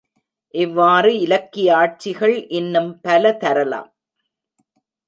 இவ்வாறு இலக்கிய ஆட்சிகள் இன்னும் பல தரலாம்.